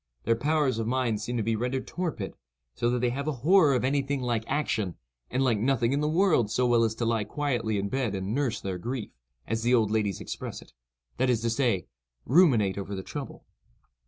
Their powers of mind seem to be rendered torpid, so that they have a horror of any thing like action, and like nothing in the world so well as to lie quietly in bed and "nurse their grief," as the old ladies express it—that is to say, ruminate over the trouble.